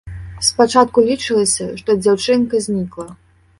Спачатку лічылася, што дзяўчынка знікла.